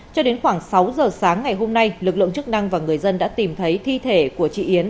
cho đến khoảng sáu giờ sáng ngày hôm nay lực lượng chức năng và người dân đã tìm thấy thi thể của chị yến